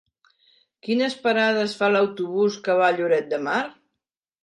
Quines parades fa l'autobús que va a Lloret de Mar?